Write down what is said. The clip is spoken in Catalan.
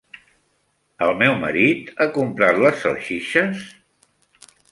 El meu marit ha comprat les salsitxes?